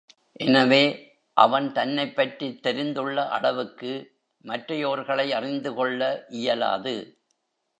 எனவே, அவன் தன்னைப் பற்றித் தெரிந்துள்ள அளவுக்கு மற்றையோர்களை அறிந்துகொள்ள இயலாது.